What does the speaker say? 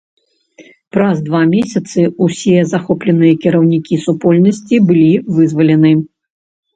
Праз два месяцы ўсе захопленыя кіраўнікі супольнасці былі вызвалены.